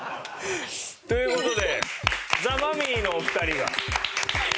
という事でザ・マミィのお二人が。